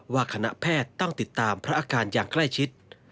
คณะแพทย์ต้องติดตามพระอาการอย่างใกล้ชิด